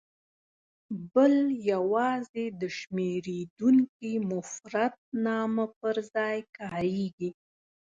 بل یوازې د شمېرېدونکي مفردنامه پر ځای کاریږي.